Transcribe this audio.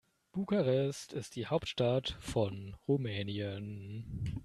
Bukarest ist die Hauptstadt von Rumänien.